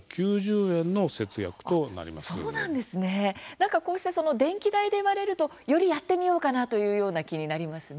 何かこうした電気代で言われるとよりやってみようかなというような気になりますね。